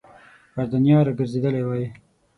پر دنیا را ګرځېدلی وای.